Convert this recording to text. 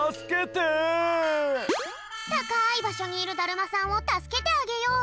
たかいばしょにいるだるまさんをたすけてあげよう！